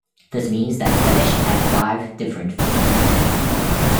This means that Finnish has five different physical lengths.